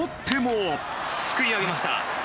すくい上げました。